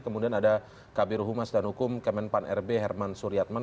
kemudian ada kabir humas dan hukum kemenpan rb herman suryatman